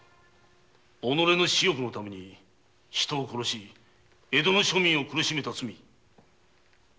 己の私欲のために人を殺し江戸の庶民を苦しめた罪断じて許し難し！